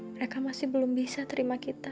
mereka masih belum bisa terima kita